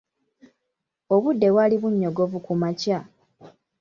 Obudde bwali bunnyogovu ku makya.